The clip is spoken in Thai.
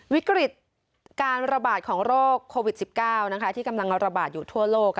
วิกฤตการระบาดของโรคโควิด๑๙ที่กำลังระบาดอยู่ทั่วโลก